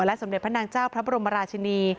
สมเด็จพระนางเจ้าพระบรมราชินี